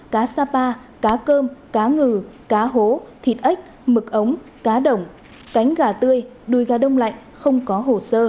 cá sapa cá cơm cá ngừ cá hố thịt mực ống cá đồng cánh gà tươi đùi gà đông lạnh không có hồ sơ